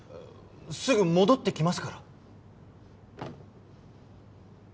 すぐ戻ってきますから。